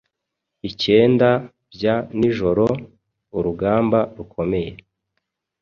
Icyenda Bya nijoro-urugamba rukomeye